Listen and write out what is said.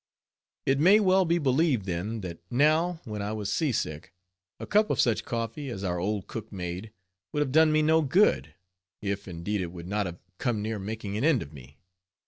It may well be believed, then, that now when I was seasick, a cup of such coffee as our old cook made would have done me no good, if indeed it would not have come near making an end of me.